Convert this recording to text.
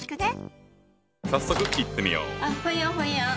早速いってみよう。